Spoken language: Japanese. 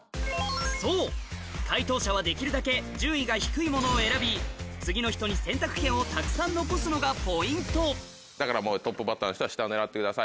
そう解答者はできるだけ順位が低いものを選び次の人に選択権をたくさん残すのがポイントだからもうトップバッターの人は下を狙ってください。